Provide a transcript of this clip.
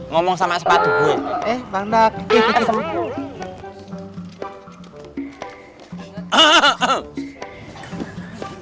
ngomong sama sepatu eh panggak itu sama